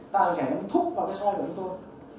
tạo chảy nó thúc vào cái xoài của anh tôi